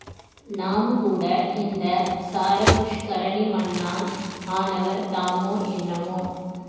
நாம் கூட இந்தச் சாரபுஷ்கரணி மண்ணால் ஆனவர் தாமோ என்னமோ!